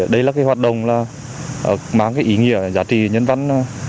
đây là hoạt động mang ý nghĩa giá trị nhân văn